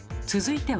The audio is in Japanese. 続いては。